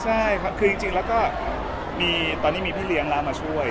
ใช่ครับคือจริงแล้วก็มีตอนนี้มีพี่เลี้ยงแล้วมาช่วย